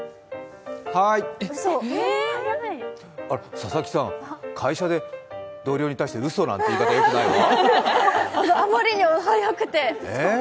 佐々木さん、会社で同僚に対して「うそ」なんて言い方はよくないよ。